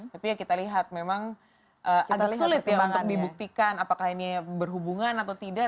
tapi ya kita lihat memang agak sulit ya untuk dibuktikan apakah ini berhubungan atau tidak